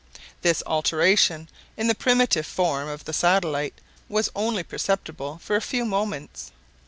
This alteration in the primitive form of the satellite was only perceptible for a few moments.